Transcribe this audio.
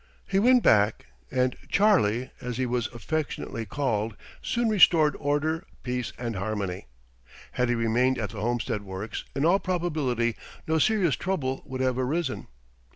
He went back, and "Charlie," as he was affectionately called, soon restored order, peace, and harmony. Had he remained at the Homestead Works, in all probability no serious trouble would have arisen.